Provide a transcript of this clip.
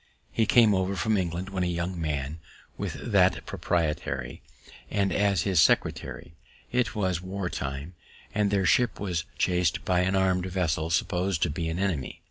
He came over from England, when a young man, with that proprietary, and as his secretary. It was war time, and their ship was chas'd by an armed vessel, suppos'd to be an enemy.